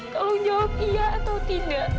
kalau jawab iya atau tidak